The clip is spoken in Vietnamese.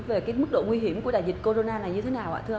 về mức độ nguy hiểm của đại dịch corona là như thế nào